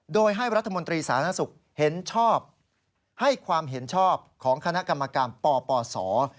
โดยให้รัฐมนตรีสารศึกให้ความเห็นชอบของคณะกรรมการปปศ